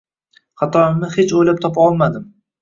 Xatoimni hech o`ylab topa olmadim